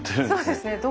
そうですね。